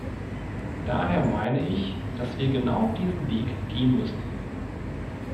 Daher meine ich, dass wir genau diesen Weg gehen müssen.